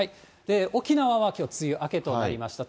沖縄はきょう、梅雨明けとなりました。